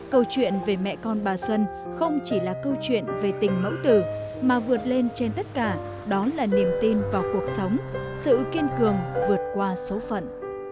câu chuyện về mẹ con bà xuân không chỉ là câu chuyện về tình mẫu tử mà vượt lên trên tất cả đó là niềm tin vào cuộc sống sự kiên cường vượt qua số phận